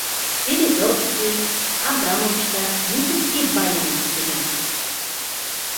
Березовский, Абрамовичтар нисек тиҙ байыны, тиһең.